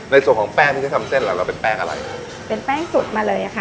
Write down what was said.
ในส่วนของแป้งที่เขาทำเส้นอะไรเราเป็นแป้งอะไรเป็นแป้งสุดมาเลยอ่ะค่ะ